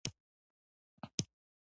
که فکر کوې چې کمزوری يې نو کمزوری يې.